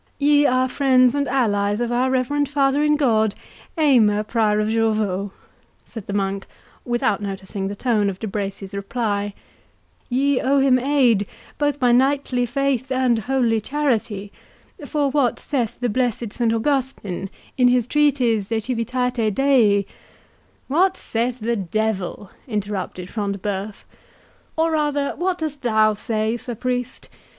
"Ye are friends and allies of our reverend father in God, Aymer, Prior of Jorvaulx," said the monk, without noticing the tone of De Bracy's reply; "ye owe him aid both by knightly faith and holy charity; for what saith the blessed Saint Augustin, in his treatise 'De Civitate Dei'— " "What saith the devil!" interrupted Front de Bœuf; "or rather what dost thou say, Sir Priest?